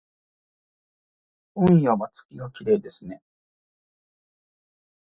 今夜は月がきれいですね